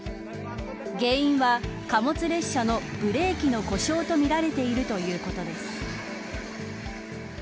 原因は、貨物列車のブレーキの故障とみられているということです。